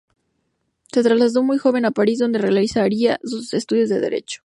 Se trasladó muy joven a París, donde realizaría sus estudios de derecho.